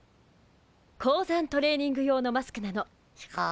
高山トレーニング用のマスクなのシュコー。